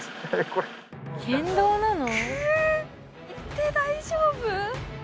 え行って大丈夫！？